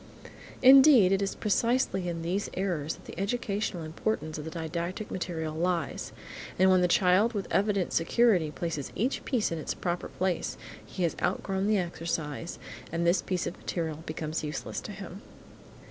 Indeed, it is precisely in these errors that the educational importance of the didactic material lies, and when the child with evident security places each piece in its proper place, he has outgrown the exercise, and this piece of material becomes useless to him.